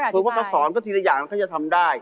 ถูกว่าต้องสอนคนที่อะไรอย่างก็จะทำได้